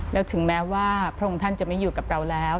แล้วถึงแม้ว่าพระองค์ท่านจะไม่อยู่กับเราแล้ว